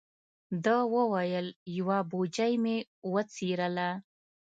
ده و ویل: یوه بوجۍ مې وڅیرله.